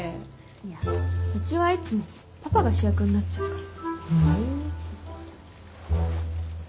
いやうちはいつもパパが主役になっちゃうから。